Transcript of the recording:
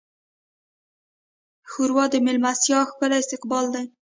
ښوروا د میلمستیا ښکلی استقبال دی.